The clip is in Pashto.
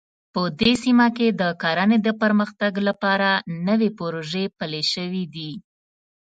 په دې سیمه کې د کرنې د پرمختګ لپاره نوې پروژې پلې شوې دي